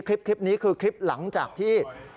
คลิปนี้คือคลิปหลังจากที่